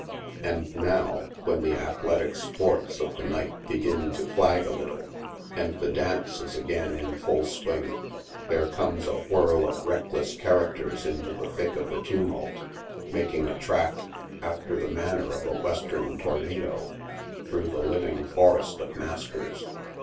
And now, when the athletic sports of the night begin to flag a lit tle, and the dance is again in full swing, there comes a whirl of reckless characters into the thick of the tumult, making a track, after the manner of a western tornado, through the living forest of maskers.